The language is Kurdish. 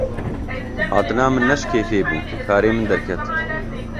Hatina min ne ji kêfê bû, karê min derket.